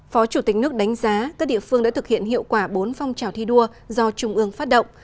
phó chủ tịch nước đánh giá các địa phương đã thực hiện hiệu quả bốn phong trào thi đua do trung ương phát động